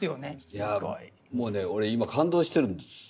いやもうね俺今感動してるんです。